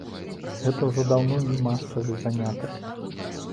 Гэта ўжо даўно не масавы занятак.